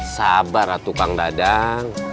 sabar lah tukang dadang